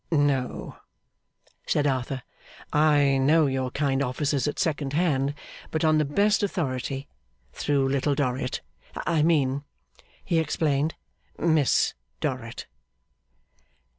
'No,' said Arthur, 'I know your kind offices at second hand, but on the best authority; through Little Dorrit. I mean,' he explained, 'Miss Dorrit.